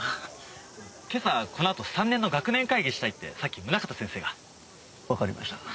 今朝このあと３年の学年会議したいってさっき宗方先生が。わかりました。